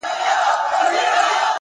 پوهه د ذهن افق ته رڼا ورکوي؛